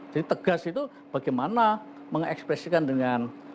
jadi tegas itu bagaimana mengekspresikan dengan